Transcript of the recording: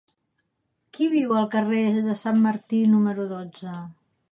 Qui viu al carrer de Sant Martí número dotze?